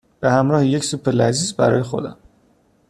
به همراه یک سوپ لذیذ برای خودم